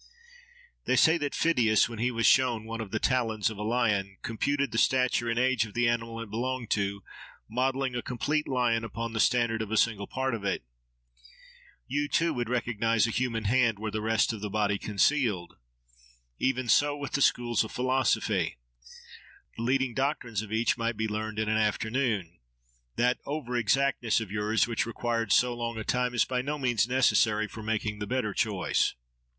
They say that Pheidias, when he was shown one of the talons of a lion, computed the stature and age of the animal it belonged to, modelling a complete lion upon the standard of a single part of it. You too would recognise a human hand were the rest of the body concealed. Even so with the schools of philosophy:—the leading doctrines of each might be learned in an afternoon. That over exactness of yours, which required so long a time, is by no means necessary for making the better choice.